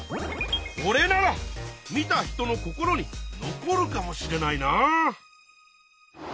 これなら見た人の心に残るかもしれないな！